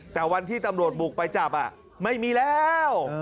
แต่วันที่ตำรวจบุกไปจับไม่มีแล้ว